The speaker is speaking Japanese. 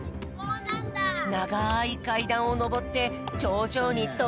ながいかいだんをのぼってちょうじょうにとうちゃく。